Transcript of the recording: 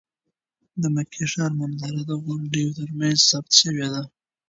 د مکې ښار منظره د غونډیو تر منځ ثبت شوې ده.